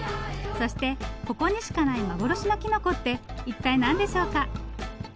そしてここにしかない幻のきのこって一体何でしょうか？